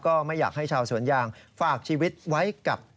ก็ไม่อยากให้ชาวสวนยางฝากชีวิตไว้กับ